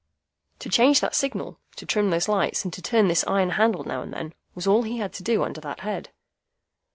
To change that signal, to trim those lights, and to turn this iron handle now and then, was all he had to do under that head.